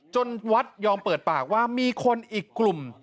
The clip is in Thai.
วัดยอมเปิดปากว่ามีคนอีกกลุ่ม